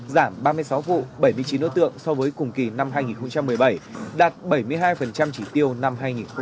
giảm ba mươi sáu vụ bảy mươi chín đối tượng so với cùng kỳ năm hai nghìn một mươi bảy đạt bảy mươi hai chỉ tiêu năm hai nghìn một mươi tám